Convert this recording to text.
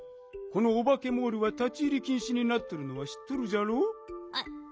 このオバケモールは立ち入りきんしになっとるのはしっとるじゃろう？